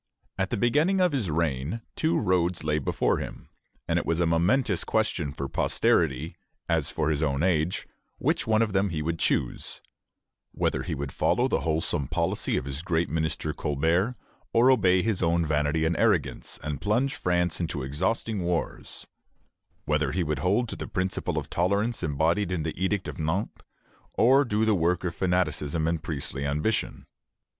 At the beginning of his reign two roads lay before him, and it was a momentous question for posterity, as for his own age, which one of them he would choose, whether he would follow the wholesome policy of his great minister Colbert, or obey his own vanity and arrogance, and plunge France into exhausting wars; whether he would hold to the principle of tolerance embodied in the Edict of Nantes, or do the work of fanaticism and priestly ambition.